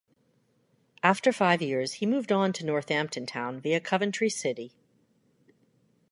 After five years he moved on to Northampton Town via Coventry City.